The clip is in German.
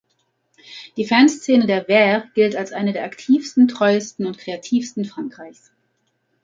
Die Fanszene der "Verts" gilt als eine der aktivsten, treuesten und kreativsten Frankreichs.